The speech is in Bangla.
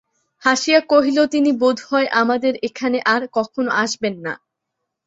হাসিয়া কহিল, তিনি বোধ হয় আমাদের এখানে আর কখনো আসবেন না?